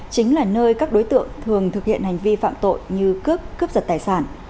chính là nơi các đối tượng thường thực hiện hành vi phạm tội như cướp cướp giật tài sản